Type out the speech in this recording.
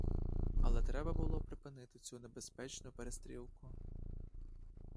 Але треба було припинити цю небезпечну перестрілку.